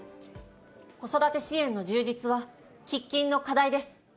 子育て支援の充実は、喫緊の課題です。